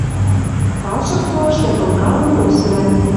Палшык пуаш ядылдалын тосвлӓм